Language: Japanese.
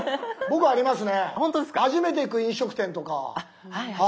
初めて行く飲食店とか。